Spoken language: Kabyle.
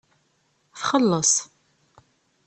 Txelleṣ.